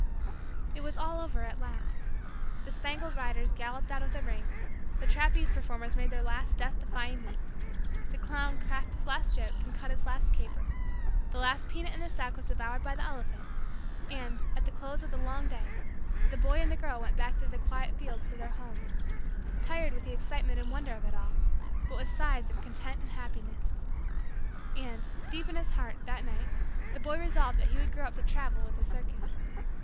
It was all over at last. The spangled riders galloped out of the ring; the trapeze performers made their last death defying leap; the clown cracked his last joke and cut his last caper; the last peanut in the sack was devoured by the elephant; and, at the close of the long day, the boy and the girl went back through the quiet fields to their homes; tired with the excitement and wonder of it all but with sighs of content and happiness. And, deep in his heart, that night, the boy resolved that he would grow up to travel with a circus.